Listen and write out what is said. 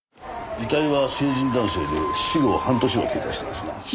遺体は成人男性で死後半年は経過してますな。